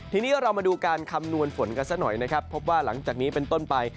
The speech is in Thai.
ทีนี้เรามาดูการคำนวณฝนกันสักหน่อยนะครับพบว่าหลังจากนี้เป็นต้นไป